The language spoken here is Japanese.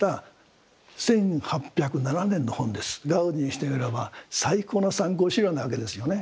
ガウディにしてみれば最高の参考資料なわけですよね。